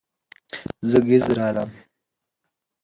زه ګهيځ رالمه